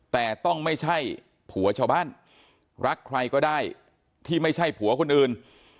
แต่ต้องไม่ใช่ผัวชาวบ้านรักใครก็ได้ที่ไม่ใช่ผัวคนอื่น